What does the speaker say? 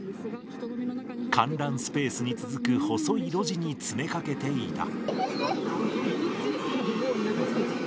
観覧スペースに続く細い路地に詰めかけていた。